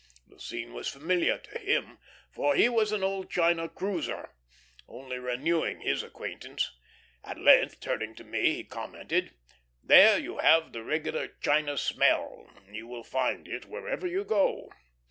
The scene was familiar to him, for he was an old China cruiser, only renewing his acquaintance. At length, turning to me, he commented, "There you have the regular China smell; you will find it wherever you go."